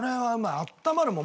あったまるもん。